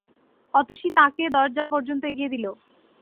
অতসী তাঁকে দরজা পর্যন্ত এগিয়ে দিল।